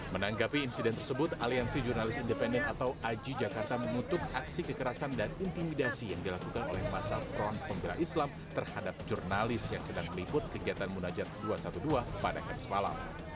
menanggapi insiden tersebut aliansi jurnalis independen atau aji jakarta mengutuk aksi kekerasan dan intimidasi yang dilakukan oleh masa front pembela islam terhadap jurnalis yang sedang meliput kegiatan munajat dua ratus dua belas pada kamis malam